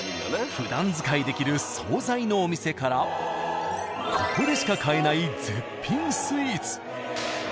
ふだん使いできる惣菜のお店からここでしか買えない絶品スイーツ。